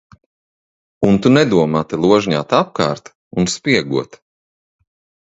Un tu nedomā te ložņāt apkārt un spiegot.